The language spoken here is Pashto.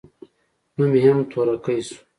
نوم يې هم تورکى سو.